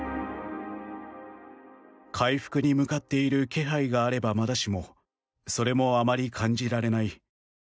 回復に向かっている気配があればまだしもそれもあまり感じられない。